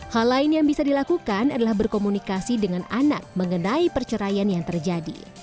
hal lain yang bisa dilakukan adalah berkomunikasi dengan anak mengenai perceraian yang terjadi